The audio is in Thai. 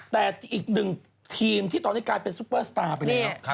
แต่อีกหนึ่งทีมที่ตอนนี้กลายเป็นซุปเปอร์สตาร์ไปแล้ว